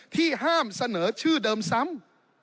ที่ห้ามเสนอชื่อเดิมซ้ำ